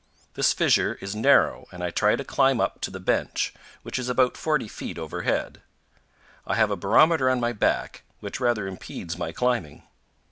This fissure is narrow and I try to climb up to the bench, which is about 40 feet overhead. I have a barometer on my back, which rather impedes my climbing.